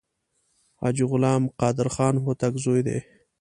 حاجي غلام قادر خان هوتک زوی دی.